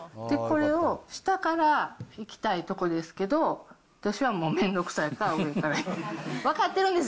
で、これを下からいきたいとこですけど、私はもう、面倒くさいから上から。